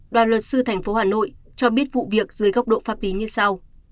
đoàn luật sư thành phố hà nội cho biết vụ việc dưới góc độ pháp lý như sau